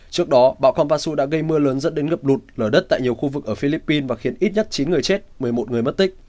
trước đó bão kampasu đã gây mưa lớn dẫn đến ngập lụt lở đất tại nhiều khu vực ở philippines và khiến ít nhất chín người chết một mươi một người mất tích